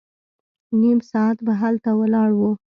نيم ساعت به هلته ولاړ وو.